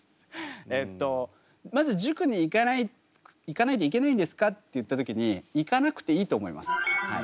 えっとまず塾に行かないといけないんですかって言った時に行かなくていいと思いますはい。